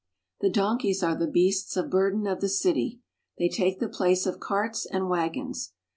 The donkeys are the beasts of burden of the city. They take the place of carts and wagons.